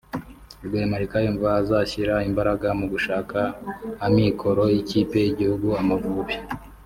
Rwemarika yumva azashyira imbaraga mu gushaka amikoro y'ikipe y'igihugu Amavubi